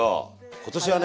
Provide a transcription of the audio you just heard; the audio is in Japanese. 今年はね。